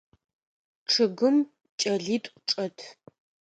Чъыгым кӏэлитӏу чӏэт.